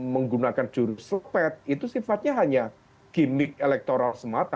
menggunakan jurus sepet itu sifatnya hanya gimmick elektoral semata